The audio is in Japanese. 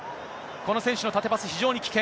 この選手の縦パス、非常に危険。